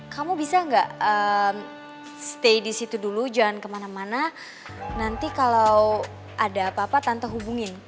kamu bisa nggak stay di situ dulu jangan kemana mana nanti kalau ada apa apa tante hubungin